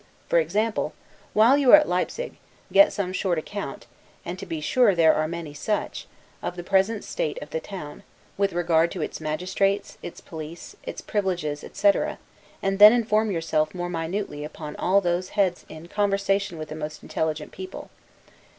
For example; while you are at Leipsig, get some short account (and to be sure there are many such) of the present state of the town, with regard to its magistrates, its police, its privileges, etc., and then inform yourself more minutely upon all those heads in, conversation with the most intelligent people.